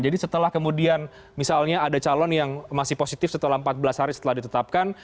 jadi setelah kemudian misalnya ada calon yang masih positif setelah empat belas hari setelah ditetapkan